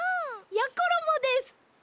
やころもです！